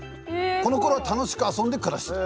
このころは楽しく遊んで暮らしてた。